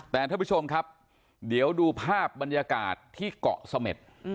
แต่ท่านผู้ชมครับเดี๋ยวดูภาพบรรยากาศที่เกาะเสม็ด